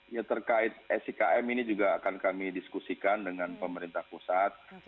ya terkait sikm ini juga akan kami diskusikan dengan pemerintah pusat